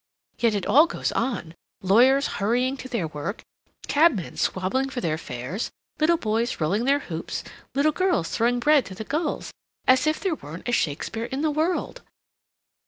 Yet it all goes on: lawyers hurrying to their work, cabmen squabbling for their fares, little boys rolling their hoops, little girls throwing bread to the gulls, as if there weren't a Shakespeare in the world.